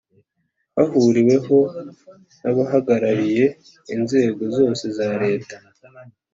hahuriweho n abahagarariye inzego zose za Leta